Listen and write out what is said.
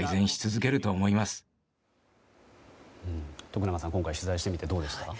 徳永さん、今回取材してみていかがでしたか？